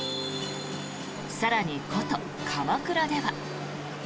更に、古都・鎌倉では。